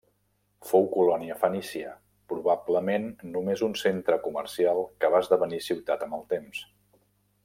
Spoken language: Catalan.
Fou colònia fenícia, probablement només un centre comercial que va esdevenir ciutat amb el temps.